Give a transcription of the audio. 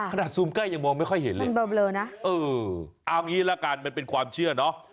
ขนาดซูมใกล้ยังมองไม่ค่อยเห็นเลยเออเอาอย่างนี้ละกันมันเป็นความเชื่อเนาะ